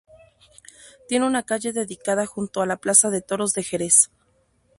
Tiene una calle dedicada junto a la plaza de toros de Jerez.